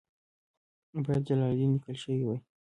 باید جلال الدین لیکل شوی وای.